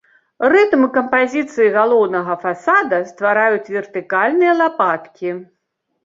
Рытм кампазіцыі галоўнага фасада ствараюць вертыкальныя лапаткі.